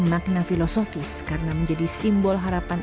makna filosofis karena menjadi simbol harapan